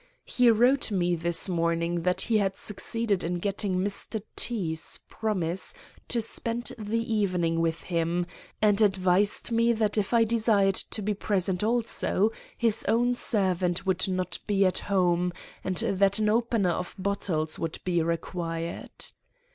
He wrote me this morning that he had succeeded in getting Mr. T——'s promise to spend the evening with him, and advised me that if I desired to be present also, his own servant would not be at home, and that an opener of bottles would be required.